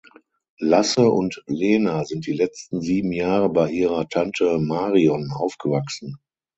Lasse und Lena sind die letzten sieben Jahre bei ihrer Tante Marion aufgewachsen.